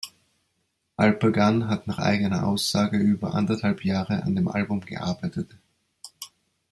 Alpa Gun hat nach eigener Aussage über anderthalb Jahre an dem Album gearbeitet.